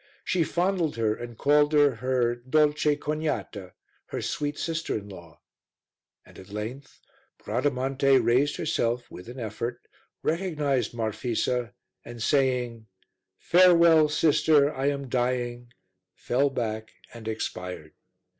She fondled her, and called her her "dolce cognata," her sweet sister in law and at length Bradamante raised herself with an effort, recognized Marfisa and saying, "Farewell, sister, I am dying," fell back and expired.